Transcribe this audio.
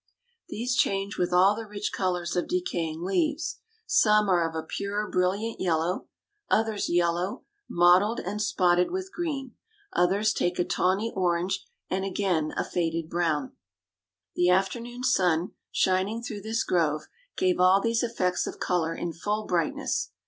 These change with all the rich colors of decaying leaves. Some are of a pure, brilliant yellow; others yellow, mottled and spotted with green; others take a tawny orange, and again a faded brown. The afternoon sun, shining through this grove, gave all these effects of color in full brightness.